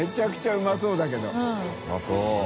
うまそう。